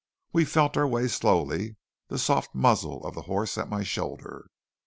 We felt our way slowly, the soft muzzle of the horse at my shoulder.